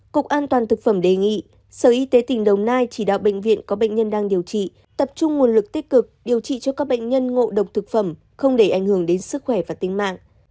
cục an toàn thực phẩm đề nghị sở y tế tỉnh đồng nai chỉ đạo bệnh viện có bệnh nhân đang điều trị tập trung nguồn lực tích cực điều trị cho các bệnh nhân ngộ độc thực phẩm không để ảnh hưởng đến sức khỏe và tính mạng